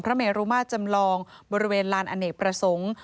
เมรุมาตรจำลองบริเวณลานอเนกประสงค์